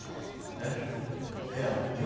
えっ？いやでも。